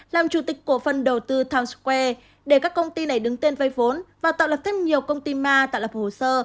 làm chủ tịch cổ phần đầu tư tim square để các công ty này đứng tên vay vốn và tạo lập thêm nhiều công ty ma tạo lập hồ sơ